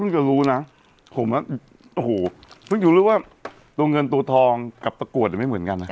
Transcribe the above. ตัวล้านงั้นซึ่งจะคุณระแบบกัน